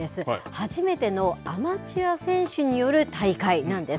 初めてのアマチュア選手による大会なんです。